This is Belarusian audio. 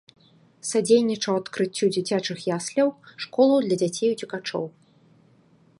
Садзейнічаў адкрыццю дзіцячых ясляў, школаў для дзяцей уцекачоў.